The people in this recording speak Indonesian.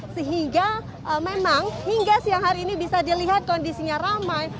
sehingga memang hingga siang hari ini bisa dilihat kondisinya ramai